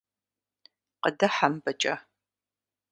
Къыдыхьэ мыбыкӀэ.